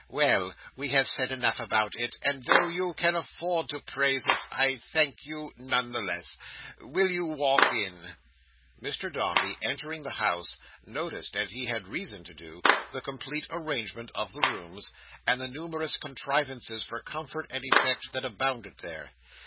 Well! we have said enough about it; and though you can afford to praise it, I thank you nonetheless. Will you walk in?" Mr Dombey, entering the house, noticed, as he had reason to do, the complete arrangement of the rooms, and the numerous contrivances for comfort and effect that abounded there.